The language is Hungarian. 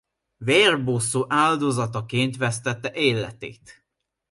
Vérbosszú áldozataként vesztette életét.